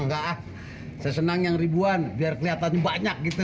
nggak sesenang yang ribuan biar kelihatan banyak gitu